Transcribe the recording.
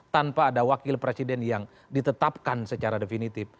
tanpa ada wakil presiden yang ditetapkan secara definitif